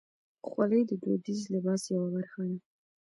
خولۍ د دودیز لباس یوه برخه ده.